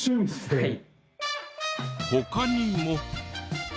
はい。